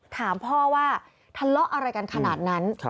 ถามพ่อว่าทะเลาะอะไรกันขนาดนั้น